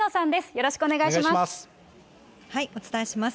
よろしくお願いします。